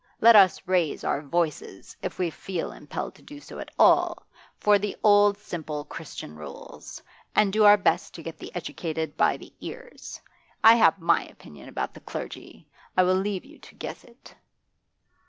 Let us raise our voices, if we feel impelled to do so at all, for the old simple Christian rules, and do our best to get the educated by the ears. I have my opinion about the clergy; I will leave you to guess it.